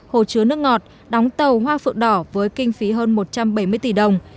hồ chứa nước ngọt đóng tàu hoa phượng đỏ với kinh phí hơn một trăm bảy mươi tỷ đồng